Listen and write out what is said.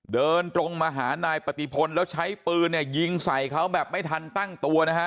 เดินตรงมาหานายปฏิพลแล้วใช้ปืนเนี่ยยิงใส่เขาแบบไม่ทันตั้งตัวนะฮะ